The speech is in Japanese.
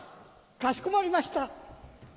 かしこまりました。